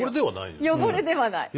汚れではない。